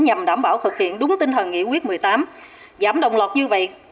nhằm đảm bảo thực hiện đúng tinh thần nghị quyết một mươi tám giảm đồng lọt như vậy